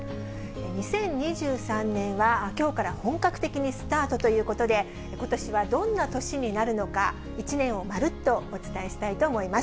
２０２３年は、きょうから本格的にスタートということで、ことしはどんな年になるのか、１年をまるっとお伝えしたいと思います。